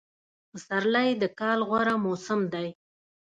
پسرلی دکال غوره موسم دی